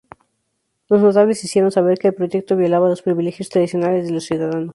Los notables hicieron saber que el proyecto violaba los privilegios tradicionales de los ciudadanos.